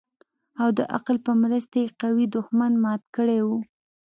او د عقل په مرسته يې قوي دښمن مات کړى و.